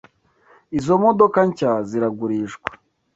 Izi modoka nshya ziragurishwa.